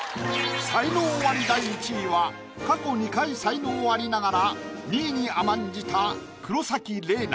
才能アリ第１位は過去２回才能アリながら２位に甘んじた黒崎レイナ。